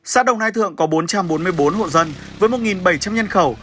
xã đồng nai thượng có bốn trăm bốn mươi bốn hộ dân với một bảy trăm linh nhân khẩu